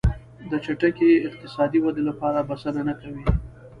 د چټکې اقتصادي ودې لپاره بسنه نه کوي.